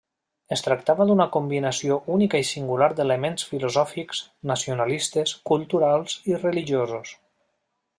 Es tractava d'una combinació única i singular d'elements filosòfics, nacionalistes, culturals i religiosos.